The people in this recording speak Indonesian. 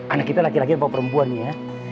anak kita laki laki bapak perempuan nih ya